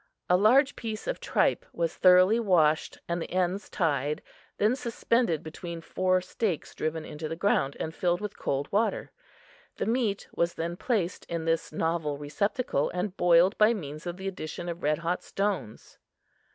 A large piece of tripe was thoroughly washed and the ends tied, then suspended between four stakes driven into the ground and filled with cold water. The meat was then placed in this novel receptacle and boiled by means of the addition of red hot stones.